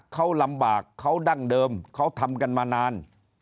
เขาลำบากเขาดั้งเดิมเขาทำกันมานาน